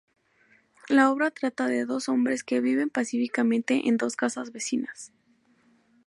La obra trata de dos hombres que viven pacíficamente en dos casas vecinas.